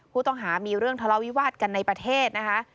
ผู้ต้องหามีเรื่องทะเลาวิวาสกันในประเทศนะคะ